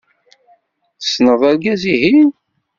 Tessneḍ argaz-ihin?